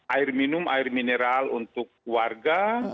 air minum air mineral untuk warga